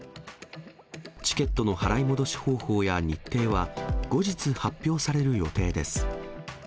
チケットの払い戻し方法や日程は後日発表される予定です。